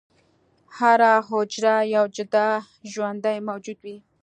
هره حجره یو جدا ژوندی موجود وي.